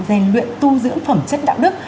về luyện tu dưỡng phẩm chất đạo đức